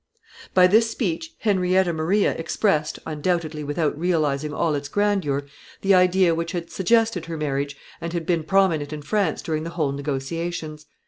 By this speech Henrietta Maria expressed, undoubtedly without realizing all its grandeur, the idea which had suggested her marriage and been prominent in France during the whole negotiations.